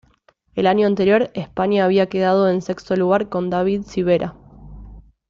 El año anterior, España había quedado en sexto lugar con David Civera.